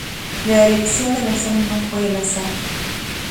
La elección de la zona no fue al azar.